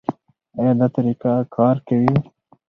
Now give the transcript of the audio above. ایا دا طریقه کار کوي؟